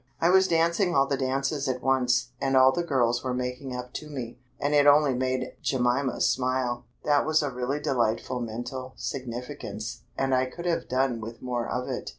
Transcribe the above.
I was dancing all the dances at once, and all the girls were making up to me, and it only made Jemima smile. That was a really delightful mental significance, and I could have done with more of it.